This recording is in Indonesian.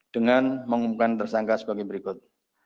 dengan mengumumkan tersangka sebagai berikut